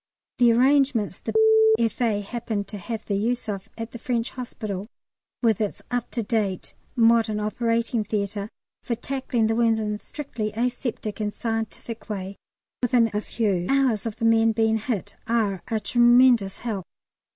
The arrangements the F.A. happen to have the use of at the French Hospital, with its up to date modern operating theatre for tackling the wounds in a strictly aseptic and scientific way within a few hours of the men being hit, are a tremendous help.